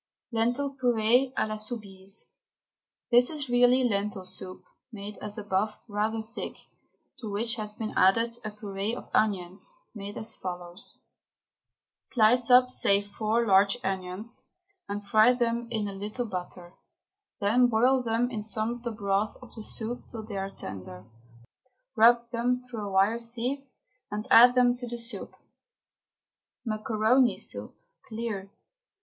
LENTIL PUREE A LA SOUBISE. This is really lentil soup, made as above, rather thick, to which has been added a puree of onions, made as follows: Slice up, say four large onions, and fry them brown in a little butter, then boil them in some of the broth of the soup till they are tender. Rub them through a wire sieve and add them to the soup. MACARONI SOUP (CLEAR).